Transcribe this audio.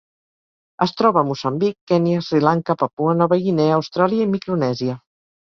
Es troba a Moçambic, Kenya, Sri Lanka, Papua Nova Guinea, Austràlia i Micronèsia.